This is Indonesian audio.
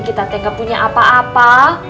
kita tidak punya apa apa